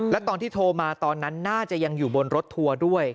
และตอนที่โทรมาตอนนั้นน่าจะยังอยู่บนรถทัวร์ด้วย